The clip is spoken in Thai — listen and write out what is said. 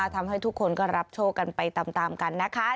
ทำให้ทุกคนก็รับโชคกันไปตามกันนะคะ